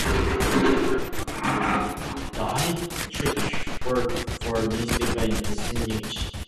Dietrich worked for newspapers in Essen and Munich.